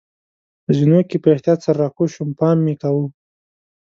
په زینو کې په احتیاط سره راکوز شوم، پام مې کاوه.